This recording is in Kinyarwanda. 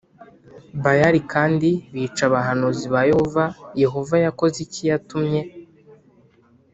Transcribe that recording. Bayali kandi bica abahanuzi ba yehova yehova yakoze iki yatumye